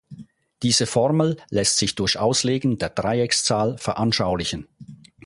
Diese Formel lässt sich durch Auslegen der Dreieckszahl veranschaulichen.